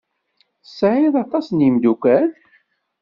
Tesɛiḍ aṭas n tmeddukal?